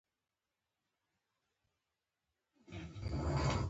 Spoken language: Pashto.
دای یې سم دم بنجارۍ و.